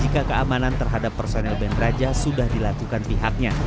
jika keamanan terhadap personel band raja sudah dilakukan pihaknya